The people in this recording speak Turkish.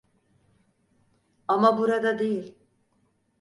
Ama burada değil.